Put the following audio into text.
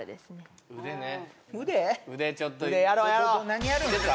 何やるんすか？